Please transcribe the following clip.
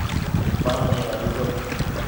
Ванныйға йүгер!